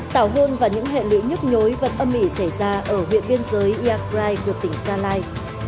tàu hôn và những hệ lưỡi nhức nhối vẫn âm ỉ xảy ra ở huyện biên giới yagray gợi tỉnh sarlai